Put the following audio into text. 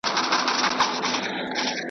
خو پوهېږم چی زړگی مي غولومه .